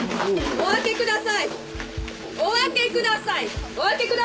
お開けください！